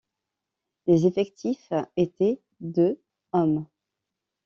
Les effectifs étaient de hommes.